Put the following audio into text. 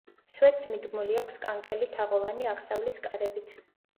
სვეტს მიდგმული აქვს კანკელი თაღოვანი აღსავლის კარებით.